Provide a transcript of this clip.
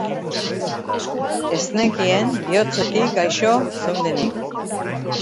Ez nekien bihotzetik gaixo zeundenik.